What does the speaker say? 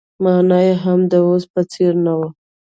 مانا يې هم د اوس په څېر نه وه.